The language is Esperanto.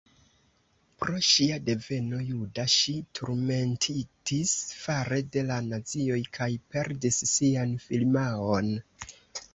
Pro ŝia deveno juda ŝi turmentitis fare de la nazioj kaj perdis sian firmaon.